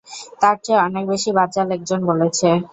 তার চেয়ে অনেক বেশি বাচাল একজন বলেছে।